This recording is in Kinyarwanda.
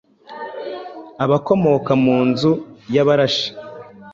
abakomoka mu nzu y’abarashi